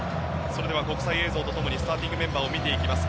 国際映像と共にスターティングメンバーを見ていきます。